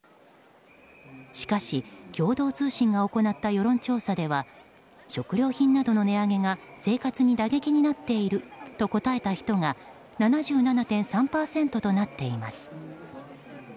しかし、共同通信が行った世論調査では食料品などの値上げが生活に打撃になっていると答えた人が７７．３％となっています。